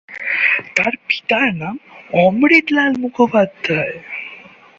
তার পিতার নাম অমৃতলাল মুখোপাধ্যায়।